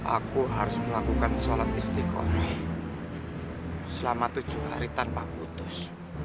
aku harus melakukan sholat istiqoroh selama tujuh hari tanpa putus